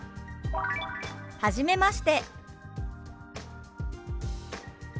「はじめまして」。